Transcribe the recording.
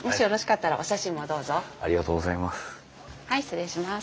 はい失礼します。